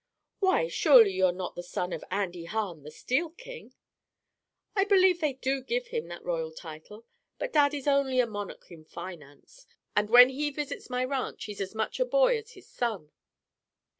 "Why, surely you're not the son of Andy Hahn, the steel king?" "I believe they do give him that royal title; but Dad is only a monarch in finance, and when he visits my ranch he's as much a boy as his son."